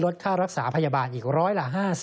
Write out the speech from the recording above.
ค่ารักษาพยาบาลอีกร้อยละ๕๐